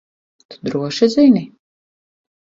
Tu droši zini?